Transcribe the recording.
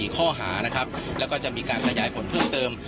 ๔ข้อหานะครับแล้วก็จะมีการขยายผลเพิ่มเติม